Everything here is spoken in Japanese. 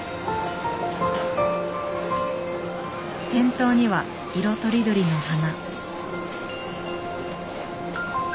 店頭には色とりどりの花。